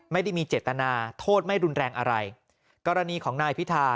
ไม่ได้มีเจตนาโทษไม่รุนแรงอะไรกรณีของนายพิธา